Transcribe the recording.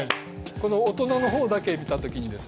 この大人の方だけ見た時にですね